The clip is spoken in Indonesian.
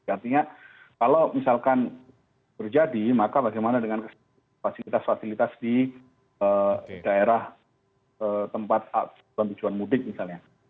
artinya kalau misalkan terjadi maka bagaimana dengan fasilitas fasilitas di daerah tempat tujuan mudik misalnya